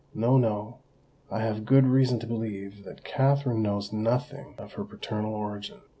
No—no: I have good reason to believe that Katherine knows nothing of her paternal origin."